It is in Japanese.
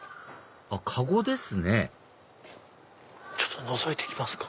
籠ですねちょっとのぞいて来ますか。